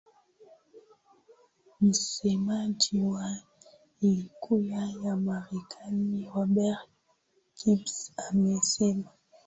msemaji wa ikulu ya marekani robert kibs amesema